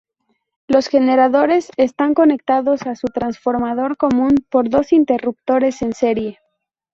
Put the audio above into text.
Los generadores están conectados a su transformador común por dos interruptores en serie.